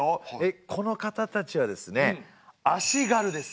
この方たちはですね足軽です。